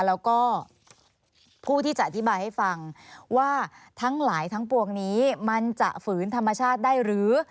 แล้วก็ผู้ที่จะอธิบายให้ฟังว่าทั้งหลายทั้งปวงนี้มันจะฝืนธรรมชาติได้หรือ